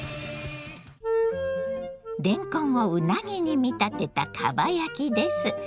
れんこんをうなぎに見立てたかば焼きです。